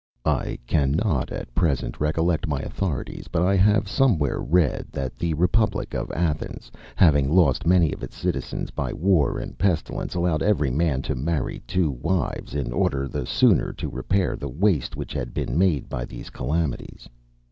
I cannot, at present, recollect my authorities; but I have somewhere read, that the Republic of Athens, having lost many of its citizens by war and pestilence, allowed every man to marry two wives, in order the sooner to repair the waste which had been made by these calamities.